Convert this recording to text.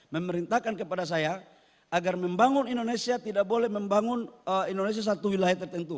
memerintahkan kepada saya agar membangun indonesia tidak boleh membangun indonesia satu wilayah tertentu